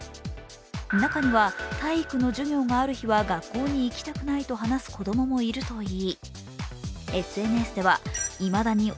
中には、体育の授業がある日は学校に行きたくないと話す子供もいるという。